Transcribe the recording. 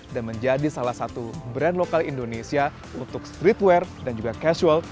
dan menjadi salah satu brand lokal indonesia untuk streetwear dan juga casual